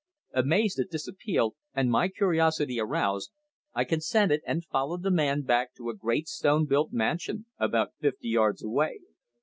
Amazed at this appeal, and my curiosity aroused, I consented, and followed the man back to a great stone built mansion about fifty yards away.